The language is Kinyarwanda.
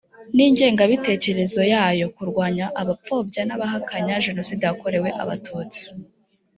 n ingengabitekerezo yayo kurwanya abapfobya n abahakana jenoside yakorewe abatutsi